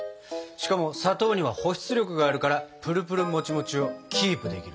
しかも砂糖には保湿力があるからプルプルもちもちをキープできるんだ。